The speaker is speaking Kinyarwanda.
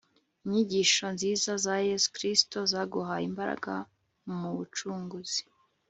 inyigisho nziza za yezu kristu, zaguhaye imbaraga mu bucunguzi